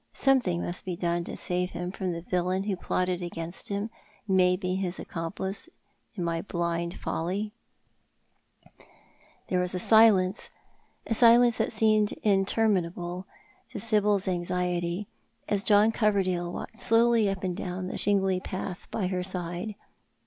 Something must be done to save him from the villain who plotted against him, who made me his accomplice, in my blind folly." 300 Thou art the Man. There was a silence, a silence that seemed interminable to Sibyl's anxiety, as John Coverdale walked slowly up and down the shiugly path by her side.